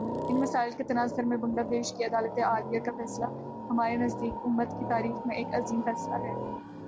ان مسائل کے تناظر میں بنگلہ دیش کی عدالتِ عالیہ کا فیصلہ ہمارے نزدیک، امت کی تاریخ میں ایک عظیم فیصلہ ہے